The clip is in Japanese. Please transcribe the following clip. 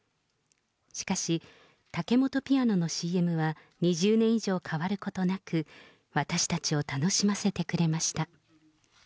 しかし、タケモトピアノのＣＭは、２０年以上変わることなく、私たちを楽しませてくれました。